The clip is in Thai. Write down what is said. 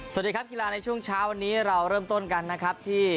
สวัสดีครับกีฬาในช่วงเช้าวันนี้เราเริ่มต้นกันนะครับที่